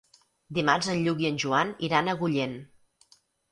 Dimarts en Lluc i en Joan iran a Agullent.